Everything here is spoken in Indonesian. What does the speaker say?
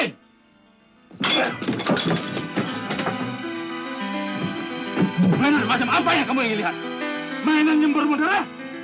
menurut macam apa yang kamu ingin lihat mainan nyembur mudara